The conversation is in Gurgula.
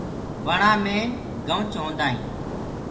وڻآ مي گنُوچ هوندآ هينٚ۔